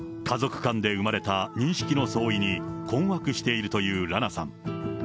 家族間で生まれた認識の相違に、困惑しているというラナさん。